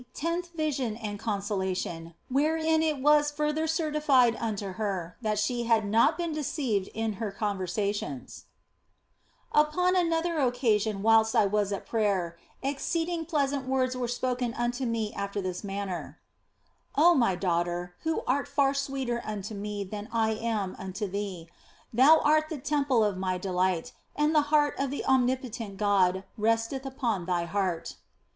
TENTH VISION AND CONSOLATION, WHEREIN IT WAS FURTHER CERTIFIED UNTO HER THAT SHE HAD NOT BEEN DECEIVED IN HER CONVERSATIONS UPON another occasion whilst I was at prayer, ex ceeding pleasant words were spoken unto me after this manner :" Oh my daughter, who art far sweeter unto Me than I am unto thee ; thou art the temple of My delight, and the heart of the Omnipotent God resteth upon thy heart."